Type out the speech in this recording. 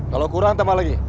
kalau kurang tambah lagi